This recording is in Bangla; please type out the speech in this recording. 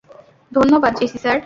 ধন্যবাদ জেসি স্যার!